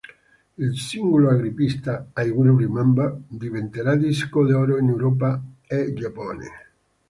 Il singolo apripista, "I Will Remember", diventerà disco d'oro in Europa e Giappone.